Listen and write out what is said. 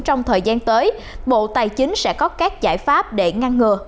trong thời gian tới bộ tài chính sẽ có các giải pháp để ngăn ngừa